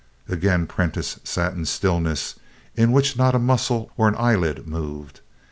Again Prentiss sat in the stillness in which not a muscle or an eyelid moved.